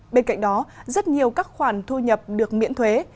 bên cạnh đó rất nhiều các khoản thu nhập được miễn thuế